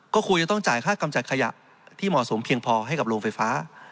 ก็ควรจะต้องจ่ายค่ากำจัดขยะที่เหมาะสมเพียงพอให้กับโรงไฟฟ้า